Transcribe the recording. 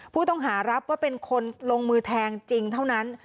ผู้ต้องหารับว่าเป็นคนลงมือแทงจริงเท่านั้น